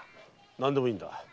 何でもいいんだ。